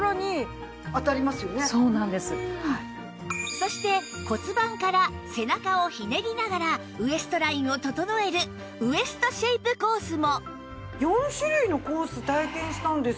そして骨盤から背中をひねりながらウエストラインを整えるウエストシェイプコースもああよかったです。